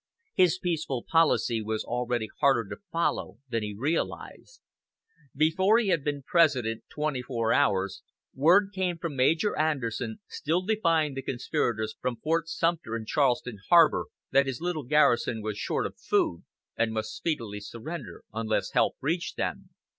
His peaceful policy was already harder to follow than he realized. Before he had been President twenty four hours word came from Major Anderson, still defying the conspirators from Fort Sumter in Charleston Harbor, that his little garrison was short of food, and must speedily surrender unless help reached them.